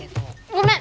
ごめん！